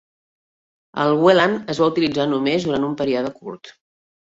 El Welland es va utilitzar només durant un període curt.